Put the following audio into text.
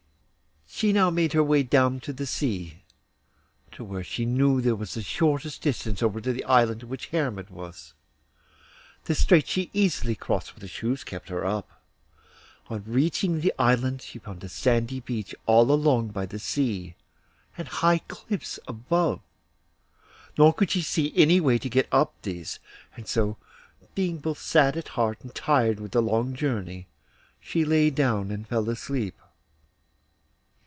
She now made her way down to the sea, to where she knew there was the shortest distance over to the island in which Hermod was. This strait she easily crossed, for the shoes kept her up. On reaching the island she found a sandy beach all along by the sea, and high cliffs above. Nor could she see any way to get up these, and so, being both sad at heart and tired with the long journey, she lay down and fell asleep.